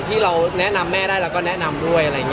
ที่เราแนะนำแม่ได้เราก็แนะนำด้วย